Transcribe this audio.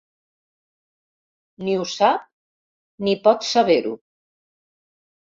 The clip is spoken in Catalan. Ni ho sap ni pot saber-ho.